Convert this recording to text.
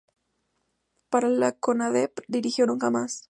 Para la Conadep dirigió "Nunca más".